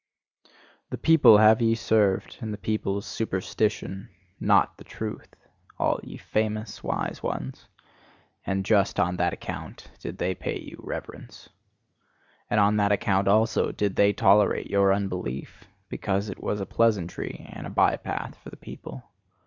The people have ye served and the people's superstition NOT the truth! all ye famous wise ones! And just on that account did they pay you reverence. And on that account also did they tolerate your unbelief, because it was a pleasantry and a by path for the people.